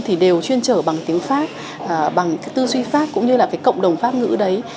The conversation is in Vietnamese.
thì đều chuyên trở bằng tiếng pháp bằng cái tư duy pháp cũng như là cái cộng đồng pháp ngữ đấy